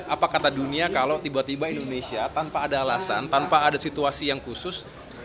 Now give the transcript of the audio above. apa kata dunia kalau tiba tiba indonesia tanpa ada alasan tanpa ada situasi yang khusus